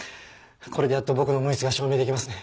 これでやっと僕の無実が証明出来ますね。